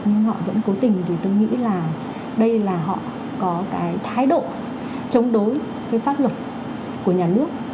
nhưng họ vẫn cố tình vì tôi nghĩ là đây là họ có cái thái độ chống đối với pháp luật của nhà nước